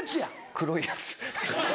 黒いやつ。